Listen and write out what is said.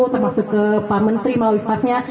termasuk ke pak menteri melalui staffnya